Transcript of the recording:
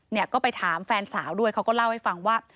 เนี่ยก็ไปถามแฟนสาวด้วยเขาก็เล่าให้ฟังว่า